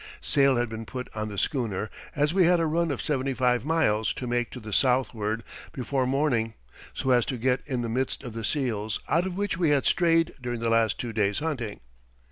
Sail had been put on the schooner, as we had a run of seventy five miles to make to the southward before morning, so as to get in the midst of the seals, out of which we had strayed during the last two days' hunting.